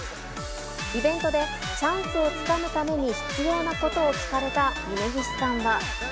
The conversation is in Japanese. イベントで、チャンスをつかむために必要なことを聞かれた峯岸さんは。